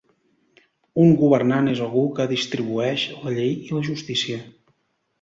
Un governant és algú que "distribueix" la llei i la justícia.